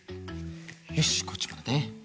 よしこっちもだね。